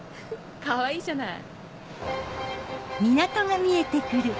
かわいいじゃない。